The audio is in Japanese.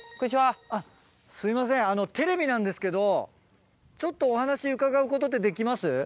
あっすいませんテレビなんですけどちょっとお話伺うことってできます？